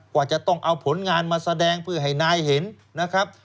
ว่าจะต้องเอาผลงานมาแสดงเพื่อให้นายเห็นนะครับ